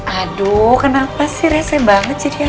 aduh kenapa sih rese banget jadi anak ya